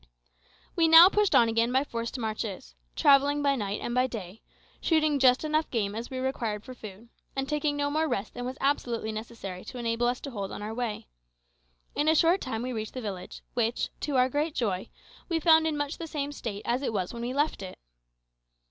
We now pushed on again by forced marches, travelling by night and by day, shooting just enough game as we required for food, and taking no more rest than was absolutely necessary to enable us to hold on our way. In a short time we reached the village, which, to our great joy, we found in much the same state as it was when we left it.